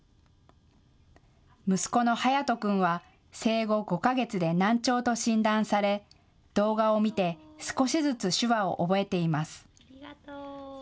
息子の颯人君は生後５か月で難聴と診断され動画を見て少しずつ手話を覚えています。